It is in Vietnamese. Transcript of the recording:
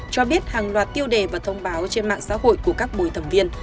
cho biết hàng loạt tiêu đề và thông báo trên mạng xã hội của các bùi thẩm viên